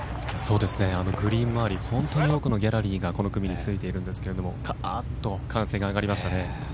グリーン回り多くのギャラリーがこの組についていますが歓声が上がりましたね。